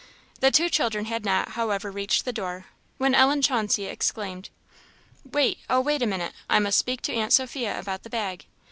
The two children had not, however, reached the door, when Ellen Chauncey exclaimed, "Wait oh, wait a minute! I must speak to aunt Sophia about the bag."